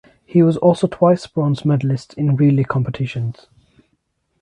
He was also twice bronze medalist in relay competitions.